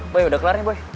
boy udah kelar ya boy